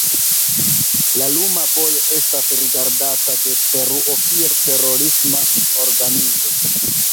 La Luma Vojo estas rigardata de Peruo kiel terorisma organizo.